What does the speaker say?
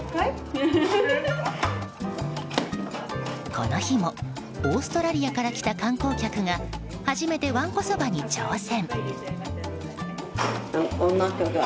この日もオーストラリアから来た観光客が初めてわんこそばに挑戦。